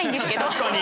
確かに。